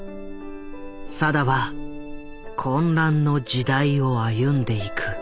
定は混乱の時代を歩んでいく。